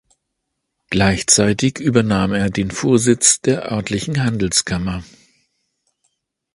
Gleichzeitig übernahm er den Vorsitz der örtlichen Handelskammer.